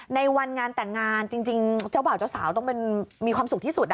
ในวันงานแต่งงานจริงเจ้าบ่าวเจ้าสาวต้องมีความสุขที่สุด